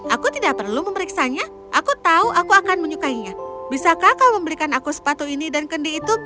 aku tidak perlu memeriksanya aku tahu aku akan menyukainya bisakah kau membelikan aku sepatu ini dan kendi itu